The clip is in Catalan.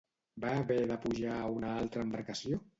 Va haver de pujar a una altra embarcació?